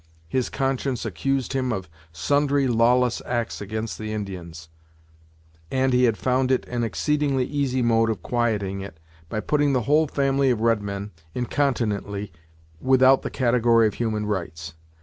His conscience accused him of sundry lawless acts against the Indians, and he had found it an exceedingly easy mode of quieting it, by putting the whole family of redmen, incontinently, without the category of human rights.